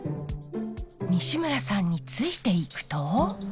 西村さんについていくと。